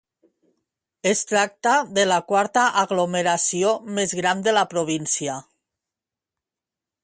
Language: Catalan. Es tracta de la quarta aglomeració més gran de la província.